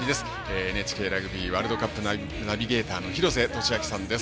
ＮＨＫラグビーワールドカップナビゲーターの廣瀬俊朗さんです。